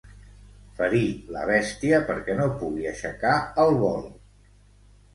Ferir la bèstia perquè no pugui aixecar el vol.